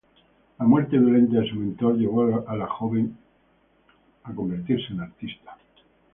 La muerte violenta de su mentor, llevó al joven a convertirse en artista.